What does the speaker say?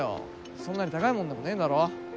そんなに高いもんでもねえだろ。